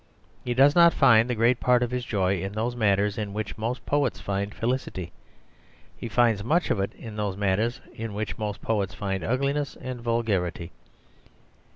He does not find the great part of his joy in those matters in which most poets find felicity. He finds much of it in those matters in which most poets find ugliness and vulgarity.